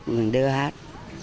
mọi người đưa hết